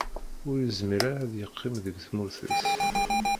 Ur yezmir ara ad yeqqim deg tmurt-is.